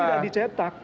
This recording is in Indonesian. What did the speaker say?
tentu saja tidak dicetak